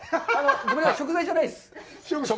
ごめんなさい、食材じゃないです。